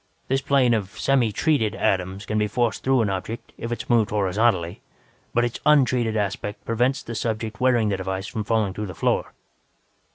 This plane of 'semi treated' atoms can be forced through an object, if it is moved horizontally, but its 'untreated' aspect prevents the subject wearing the device from falling through the floor.